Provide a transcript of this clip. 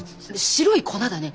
白い粉だね。